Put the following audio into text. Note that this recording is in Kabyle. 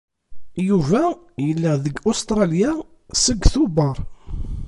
Yuba yella deg Ustṛalya seg Tubeṛ.